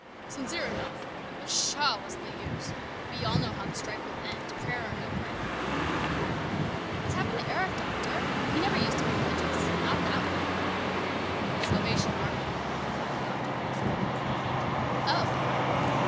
"Sincere enough. But pshaw! What's the use? We all know how the strike will end, prayer or no prayer." "What's happened to Eric, doctor? He never used to be religious. Not that way." " Salvation Army," replied the doctor briefly. " Oh